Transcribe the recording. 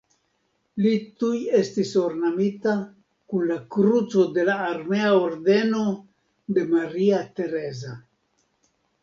Li tuj estis ornamita kun la Kruco de la Armea ordeno de Maria Tereza.